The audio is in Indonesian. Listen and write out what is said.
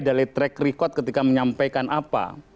dari track record ketika menyampaikan apa